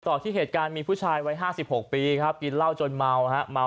ต่อที่เหตุการณ์มีผู้ชายวัย๕๖ปีครับกินเหล้าจนเมาฮะเมา